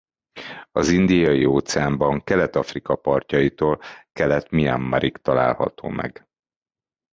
Az Indiai-óceánban Kelet-Afrika partjaitól Kelet-Mianmarig található meg.